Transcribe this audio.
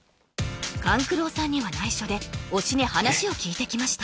勘九郎さんには内緒で推しに話を聞いてきました